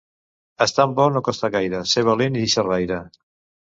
Estant bo, no costa gaire, ser valent i xerraire.